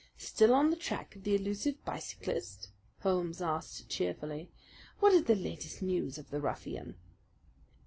"Still on the track of the elusive bicyclist?" Holmes asked cheerfully. "What is the latest news of the ruffian?"